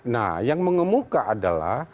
nah yang mengemuka adalah